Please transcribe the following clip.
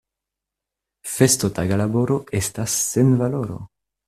Festotaga laboro estas sen valoro.